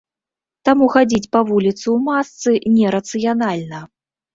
Таму хадзіць па вуліцы ў масцы не рацыянальна.